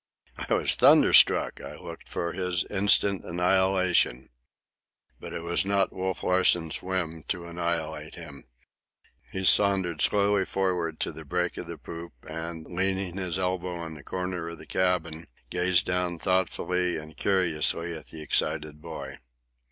I was thunderstruck. I looked for his instant annihilation. But it was not Wolf Larsen's whim to annihilate him. He sauntered slowly forward to the break of the poop, and, leaning his elbow on the corner of the cabin, gazed down thoughtfully and curiously at the excited boy.